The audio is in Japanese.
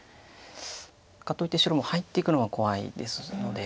かといって白も入っていくのは怖いですので。